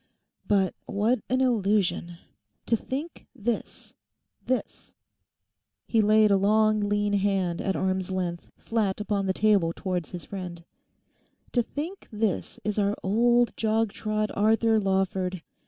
But what an illusion. To think this—this—he laid a long lean hand at arm's length flat upon the table towards his friend—'to think this is our old jog trot Arthur Lawford!